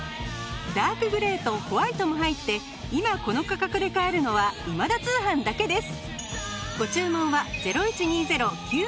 ダークグレーとホワイトも入って今この価格で買えるのは『今田通販』だけです。